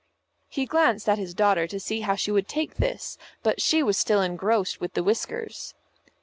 He glanced at his daughter to see how she would take this, but she was still engrossed with the whiskers.